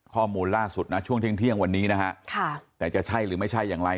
ข้อมูลล่าสุดนะช่วงเที่ยงวันนี้นะฮะค่ะแต่จะใช่หรือไม่ใช่อย่างไร